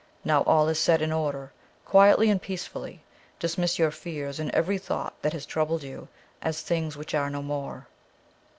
Now all is set in order, quietly and peacefully; dismiss your fears and every thought that has troubled you, as things which are no more."